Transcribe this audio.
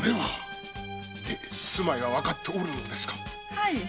はい。